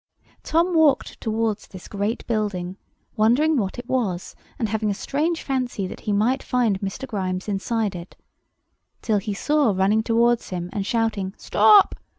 [Picture: Truncheon] Tom walked towards this great building, wondering what it was, and having a strange fancy that he might find Mr. Grimes inside it, till he saw running toward him, and shouting "Stop!"